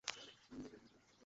আমার চারপাশে অনেক সমস্যা।